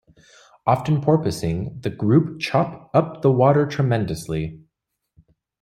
Often porpoising, the group chop up the water tremendously.